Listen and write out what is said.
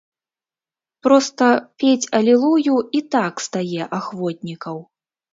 Проста пець алілую і так стае ахвотнікаў.